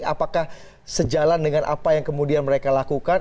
apakah sejalan dengan apa yang kemudian mereka lakukan